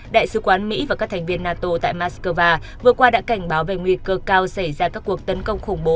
đại sứ quán mỹ và các thành viên nato tại moscow vừa qua đã cảnh báo về nguy cơ cao xảy ra các cuộc tấn công khủng bố